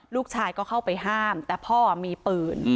ลูกชายก็เข้าไปห้ามแต่พ่อมีปืน